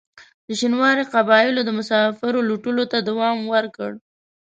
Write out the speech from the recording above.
د شینوارو قبایلو د مسافرو لوټلو ته دوام ورکړ.